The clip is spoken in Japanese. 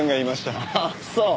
ああそう。